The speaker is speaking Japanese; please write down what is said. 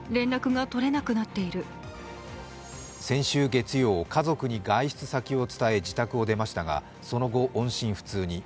先週月曜、家族に外出先を伝え、自宅を出ましたがその後、音信不通に。